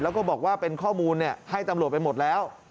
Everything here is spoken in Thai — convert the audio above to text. แล้วก็บอกว่าเป็นข้อมูลให้ตำรวจไปหมดแล้ว